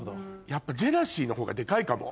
やっぱジェラシーのほうがデカいかも。